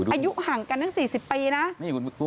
อายุห่างกันตั้ง๔๐ปีนะ